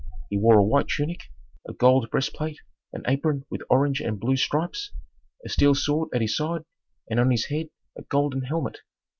He wore a white tunic, a gold breastplate, an apron with orange and blue stripes, a steel sword at his side and on his head a golden helmet.